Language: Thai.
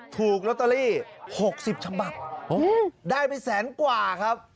ถูกลอตเตอรี่๖๐ฉบับได้ไปแสนกว่าครับ